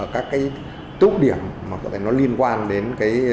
các tốt điểm liên quan đến